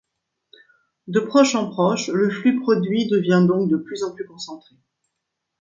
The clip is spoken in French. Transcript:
De proche en proche, le flux produit devient donc de plus en plus concentré.